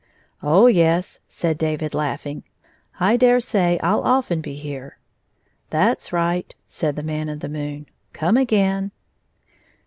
" Oh, yes," said David, laughing, " I dare say I '11 often be here." "That 's right," said the Man in the moon. " Come again."